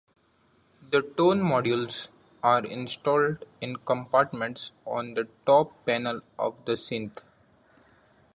The tone modules are installed in compartments on the top panel of the synth.